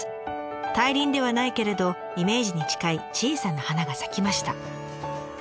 大輪ではないけれどイメージに近い小さな花が咲きました。